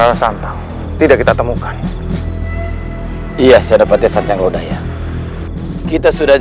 lima masalah santang tidak kita temukan iya saya dapat desa yang udah ya kita sudah